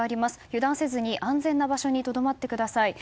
油断せずに安全な場所にとどまってください。